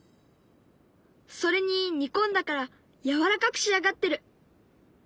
それに煮込んだからやわらかく仕上がってる。